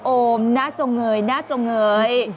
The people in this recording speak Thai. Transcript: โอ้มน่าเจ้าเงยน่าเจ้าเงย